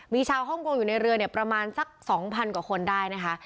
มีชาวฮ่องกงอยู่ในเรือประมาณสักสองพันกว่าคนได้นะคะ